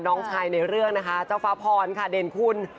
น้องชายในเรื่องนะคะเจ้าฟ้าพรค่ะเด่นคุณ